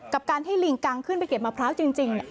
กับการให้ลิงกังขึ้นไปเก็บมะพร้าวจริง